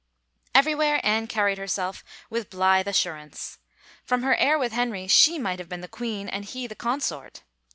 Everywhere Anne carried herself with blithe assur ance. From her air with Henry she might have been the queen and he the consort.